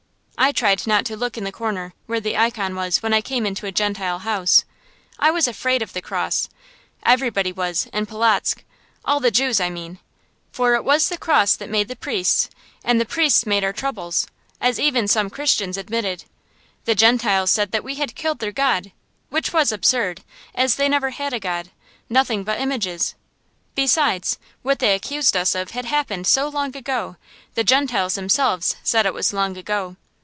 I tried not to look in the corner where the icon was, when I came into a Gentile house. I was afraid of the cross. Everybody was, in Polotzk all the Jews, I mean. For it was the cross that made the priests, and the priests made our troubles, as even some Christians admitted. The Gentiles said that we had killed their God, which was absurd, as they never had a God nothing but images. Besides, what they accused us of had happened so long ago; the Gentiles themselves said it was long ago.